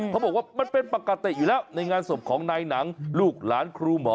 เขาบอกว่ามันเป็นปกติอยู่แล้วในงานศพของนายหนังลูกหลานครูหมอ